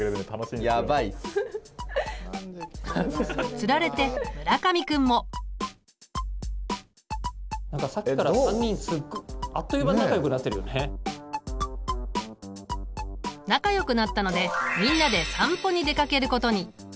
つられて村上君も。何かさっきから３人仲良くなったのでみんなで散歩に出かけることに。